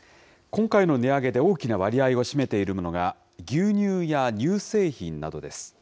今回の値上げで大きな割合を占めているものが牛乳や乳製品などです。